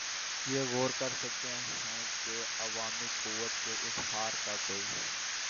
پر غور کر سکتے ہیں کہ عوامی قوت کے اظہار کا کوئی